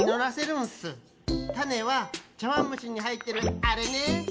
タネはちゃわんむしにはいってるあれね！